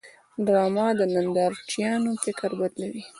ډرامه د نندارچیانو فکر بدلوي